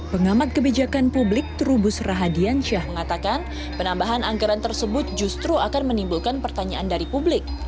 pengamat kebijakan publik terubus rahadiansyah mengatakan penambahan anggaran tersebut justru akan menimbulkan pertanyaan dari publik